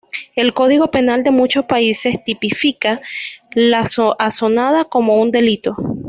El código penal de muchos países tipifica la asonada como un delito.